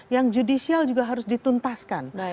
yang judicial juga harus dituntaskan